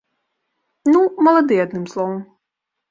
Ну, малады, адным словам.